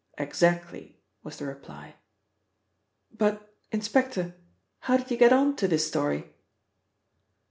"Exactly," was the reply. "But, inspector, how did you get on to this story?"